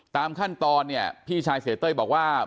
ตามขั้นตอนเนี่ยพี่ชายเสียเต้ยบอกว่า